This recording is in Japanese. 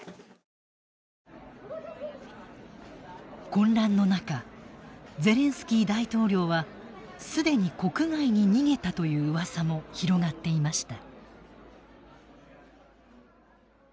混乱の中「ゼレンスキー大統領は既に国外に逃げた」という噂も広がっていました。